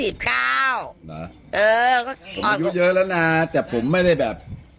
อายุเยอะแล้วนะแต่ผมไม่ได้แบบ